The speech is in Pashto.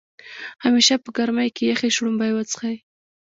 همیشه په ګرمۍ کې يخې شړومبۍ وڅښئ